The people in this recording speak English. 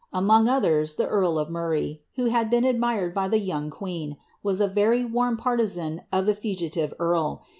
Among others, the earl of Murray, who haii been admired by tlie young queen, was a very warm partisan of i!ie fugitive earl.